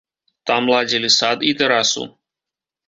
Там ладзілі сад і тэрасу.